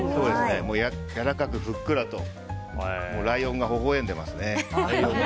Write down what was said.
やわらかく、ふっくらとライオンがほほ笑んでますね。